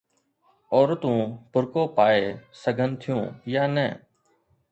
عورتون برقع پائي سگهن ٿيون يا نه.